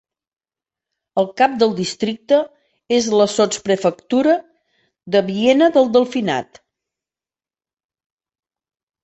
El cap del districte és la sotsprefectura de Viena del Delfinat.